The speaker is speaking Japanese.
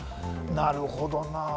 なるほどな。